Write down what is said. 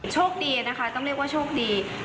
โชคดีนะคะต้องเรียกว่าโชคดี